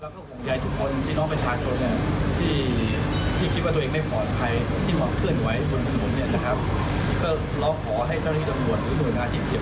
ตอนนี้มีกำชัดของเรื่องไหนบ้างครับ